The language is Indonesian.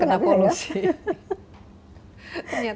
karena dalam rumahnya juga kena polusi